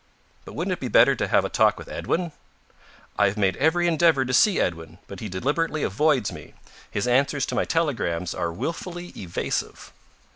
"But wouldn't it be better to have a talk with Edwin?" "I have made every endeavour to see Edwin, but he deliberately avoids me. His answers to my telegrams are willfully evasive."